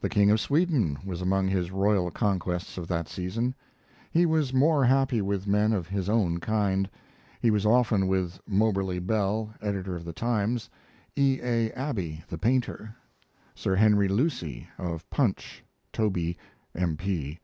The King of Sweden was among his royal conquests of that season. He was more happy with men of his own kind. He was often with Moberly Bell, editor of the Times; E. A. Abbey, the painter; Sir Henry Lucy, of Punch (Toby, M.P.)